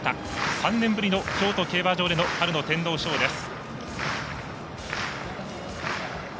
３年ぶりの京都競馬場での春の天皇賞です。